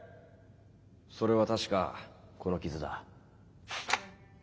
それは確かこの傷だ。